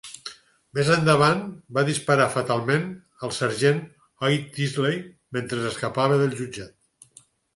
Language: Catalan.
Més endavant va disparar fatalment al sergent Hoyt Teasley mentre escapava del jutjat.